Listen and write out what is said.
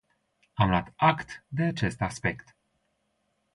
Am luat act de acest aspect.